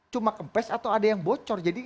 cuma kempes atau ada yang bocor jadi